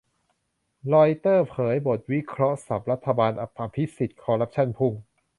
รอยเตอร์เผยบทวิเคราะห์สับรัฐบาลอภิสิทธิ์คอร์รัปชั่นพุ่ง